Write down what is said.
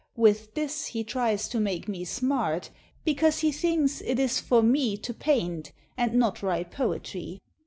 With this he tries to make me smart, Because he thinks it is for me To paint, and not write poetry.